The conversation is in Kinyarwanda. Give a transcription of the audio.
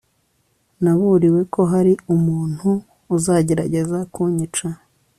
Naburiwe ko hari umuntu uzagerageza kunyica